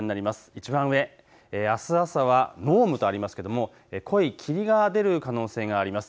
いちばん上、あす朝は濃霧とありますけれども濃い霧が出る可能性があります。